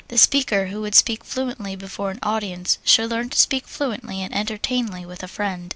The speaker who would speak fluently before an audience should learn to speak fluently and entertainingly with a friend.